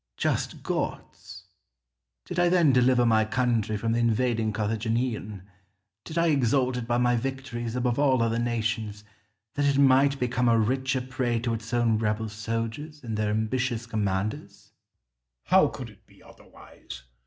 Scipio. Just gods! did I then deliver my country from the invading Carthaginian, did I exalt it by my victories above all other nations, that it might become a richer prey to its own rebel soldiers and their ambitious commanders? Caesar. How could it be otherwise?